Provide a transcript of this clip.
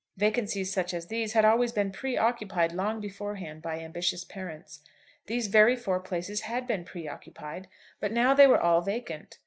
Vacancies such as these had always been pre occupied long beforehand by ambitious parents. These very four places had been pre occupied, but now they were all vacant.